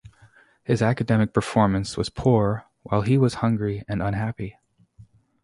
His academic performance was poor while he was hungry and unhappy.